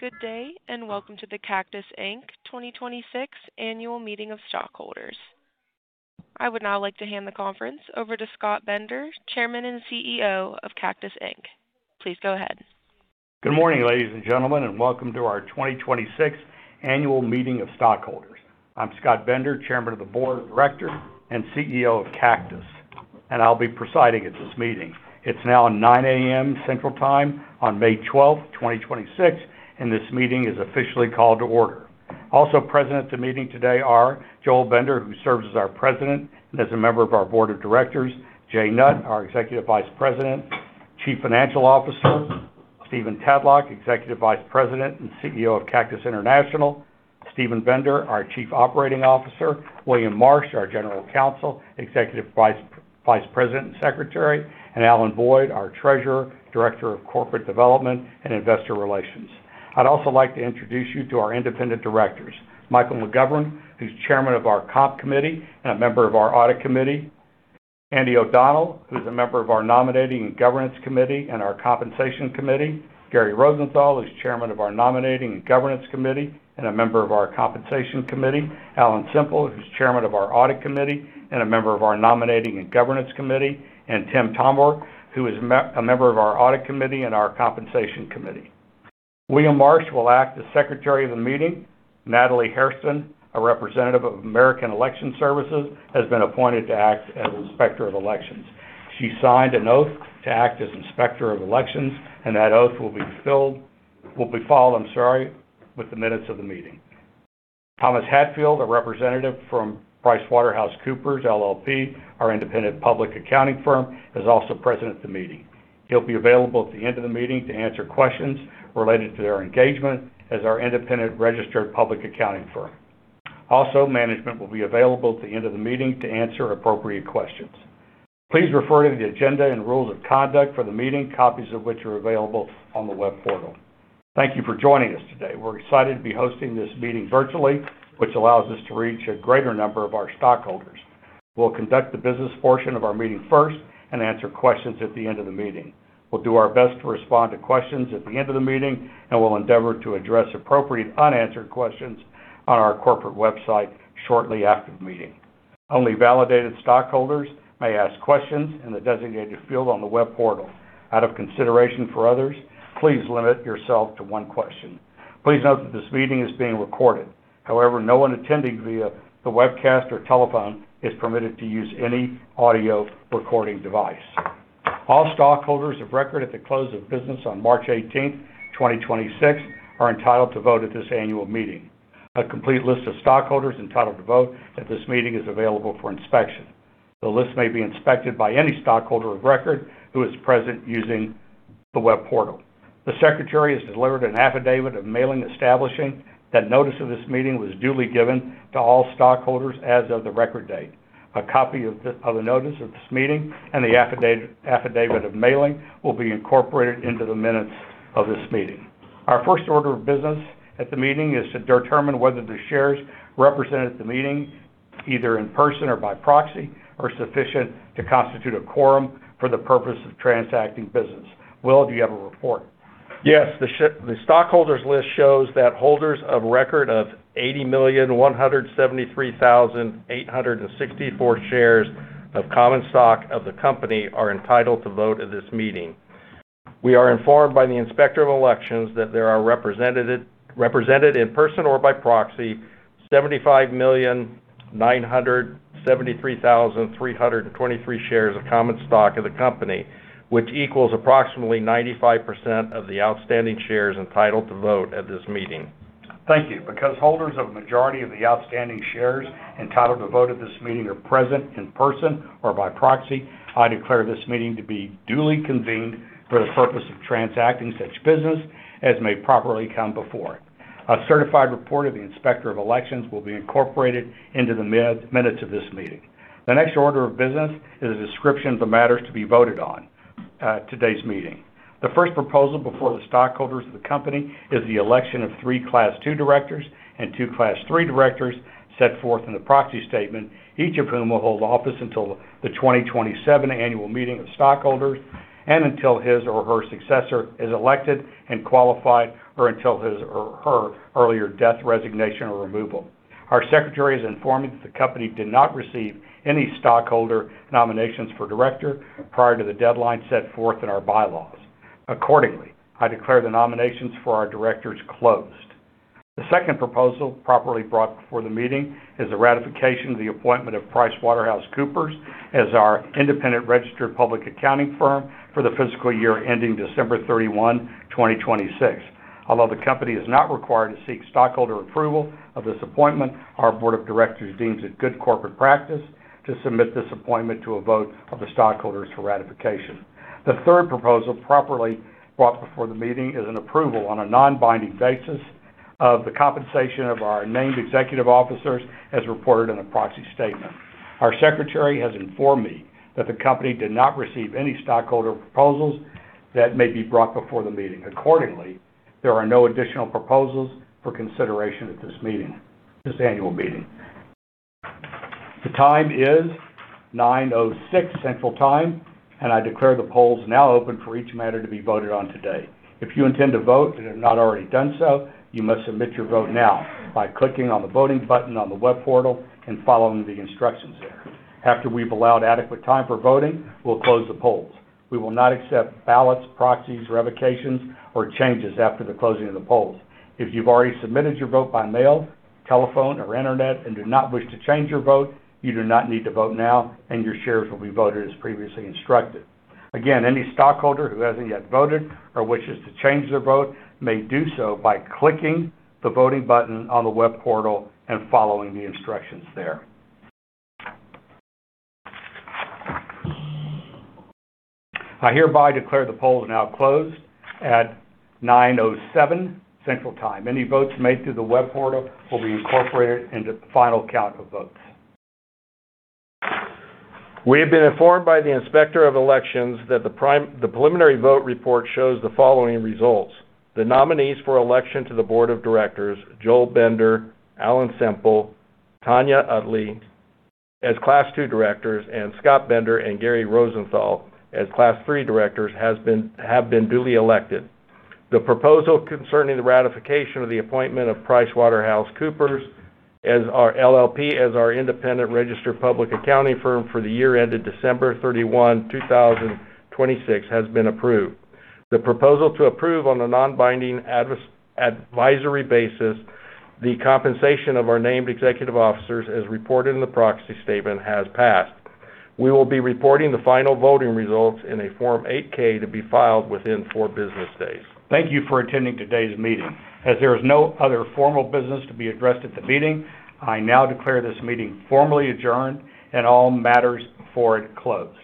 Good day, and welcome to the Cactus Inc. 2026 Annual Meeting of Stockholders. I would now like to hand the conference over to Scott Bender, Chairman and CEO of Cactus Inc. Please go ahead. Good morning, ladies and gentlemen, and welcome to our 2026 annual meeting of stockholders. I'm Scott Bender, Chairman of the Board of Directors and CEO of Cactus, and I'll be presiding at this meeting. It's now 9:00 A.M. Central Time on May 12th, 2026, and this meeting is officially called to order. Also present at the meeting today are Joel Bender, who serves as our President and is a member of our Board of Directors, Jay Nutt, our Executive Vice President, Chief Financial Officer, Stephen Tadlock, Executive Vice President and CEO of Cactus International, Steven Bender, our Chief Operating Officer, William Marsh, our General Counsel, Executive Vice President and Secretary, Alan Boyd, our Treasurer, Director of Corporate Development and Investor Relations. I'd also like to introduce you to our independent directors, Michael McGovern, who's Chairman of our Comp Committee and a member of our Audit Committee, Andy O'Donnell, who's a member of our Nominating and Governance Committee and our Compensation Committee, Gary Rosenthal, who's Chairman of our Nominating and Governance Committee and a member of our Compensation Committee, Alan Semple, who's Chairman of our Audit Committee and a member of our Nominating and Governance Committee, and Tym Tomber, who is a member of our Audit Committee and our Compensation Committee. William Marsh will act as Secretary of the meeting. Natalie Hairston, a representative of American Election Services, has been appointed to act as Inspector of Elections. She signed an oath to act as Inspector of Elections, that oath will be filed with the minutes of the meeting. Thomas Hatfield, a representative from PricewaterhouseCoopers LLP, our independent public accounting firm, is also present at the meeting. He'll be available at the end of the meeting to answer questions related to their engagement as our independent registered public accounting firm. Management will be available at the end of the meeting to answer appropriate questions. Please refer to the agenda and rules of conduct for the meeting, copies of which are available on the web portal. Thank you for joining us today. We're excited to be hosting this meeting virtually, which allows us to reach a greater number of our stockholders. We'll conduct the business portion of our meeting first and answer questions at the end of the meeting. We'll do our best to respond to questions at the end of the meeting, and we'll endeavor to address appropriate unanswered questions on our corporate website shortly after the meeting. Only validated stockholders may ask questions in the designated field on the web portal. Out of consideration for others, please limit yourself to one question. Please note that this meeting is being recorded. However, no one attending via the webcast or telephone is permitted to use any audio recording device. All stockholders of record at the close of business on March 18th, 2026 are entitled to vote at this annual meeting. A complete list of stockholders entitled to vote at this meeting is available for inspection. The list may be inspected by any stockholder of record who is present using the web portal. The Secretary has delivered an affidavit of mailing establishing that notice of this meeting was duly given to all stockholders as of the record date. A copy of the notice of this meeting and the affidavit of mailing will be incorporated into the minutes of this meeting. Our first order of business at the meeting is to determine whether the shares represented at the meeting, either in person or by proxy, are sufficient to constitute a quorum for the purpose of transacting business. William, do you have a report? Yes. The stockholders list shows that holders of record of 80,173,864 shares of common stock of the company are entitled to vote at this meeting. We are informed by the Inspector of Elections that there are represented in person or by proxy 75,973,323 shares of common stock of the company, which equals approximately 95% of the outstanding shares entitled to vote at this meeting. Thank you. Because holders of a majority of the outstanding shares entitled to vote at this meeting are present in person or by proxy, I declare this meeting to be duly convened for the purpose of transacting such business as may properly come before it. A certified report of the Inspector of Elections will be incorporated into the minutes of this meeting. The next order of business is a description of the matters to be voted on at today's meeting. The first proposal before the stockholders of the company is the election of three Class two directors and two Class three directors set forth in the proxy statement, each of whom will hold office until the 2027 annual meeting of stockholders and until his or her successor is elected and qualified or until his or her earlier death, resignation, or removal. Our Secretary has informed me that the company did not receive any stockholder nominations for director prior to the deadline set forth in our bylaws. Accordingly, I declare the nominations for our directors closed. The second proposal properly brought before the meeting is the ratification of the appointment of PricewaterhouseCoopers as our independent registered public accounting firm for the fiscal year ending December 31, 2026. Although the company is not required to seek stockholder approval of this appointment, our board of directors deems it good corporate practice to submit this appointment to a vote of the stockholders for ratification. The third proposal properly brought before the meeting is an approval on a non-binding basis of the compensation of our named executive officers as reported in the proxy statement. Our Secretary has informed me that the company did not receive any stockholder proposals that may be brought before the meeting. Accordingly, there are no additional proposals for consideration at this meeting, this annual meeting. The time is 9:06 A.M. Central Time, I declare the polls now open for each matter to be voted on today. If you intend to vote and have not already done so, you must submit your vote now by clicking on the voting button on the web portal and following the instructions there. After we've allowed adequate time for voting, we'll close the polls. We will not accept ballots, proxies, revocations, or changes after the closing of the polls. If you've already submitted your vote by mail, telephone, or internet and do not wish to change your vote, you do not need to vote now, and your shares will be voted as previously instructed. Again, any stockholder who hasn't yet voted or wishes to change their vote may do so by clicking the voting button on the web portal and following the instructions there. I hereby declare the polls are now closed at 9:07 Central Time. Any votes made through the web portal will be incorporated into the final count of votes. We have been informed by the Inspector of Elections that the preliminary vote report shows the following results. The nominees for election to the board of directors, Joel Bender, Alan Semple, Tana Utley as Class two directors, and Scott Bender and Gary Rosenthal as Class three directors have been duly elected. The proposal concerning the ratification of the appointment of PricewaterhouseCoopers LLP as our independent registered public accounting firm for the year ended December 31, 2026 has been approved. The proposal to approve on a non-binding advisory basis the compensation of our named executive officers, as reported in the proxy statement, has passed. We will be reporting the final voting results in a Form 8-K to be filed within four business days. Thank you for attending today's meeting. As there is no other formal business to be addressed at the meeting, I now declare this meeting formally adjourned and all matters before it closed.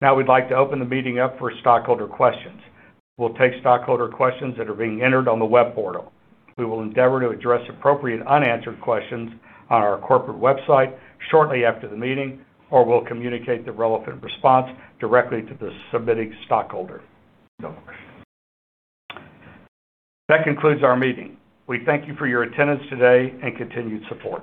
We'd like to open the meeting up for stockholder questions. We'll take stockholder questions that are being entered on the web portal. We will endeavor to address appropriate unanswered questions on our corporate website shortly after the meeting, or we'll communicate the relevant response directly to the submitting stockholder. That concludes our meeting. We thank you for your attendance today and continued support.